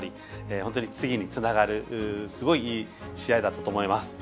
本当に次につながるすごい試合だったと思います。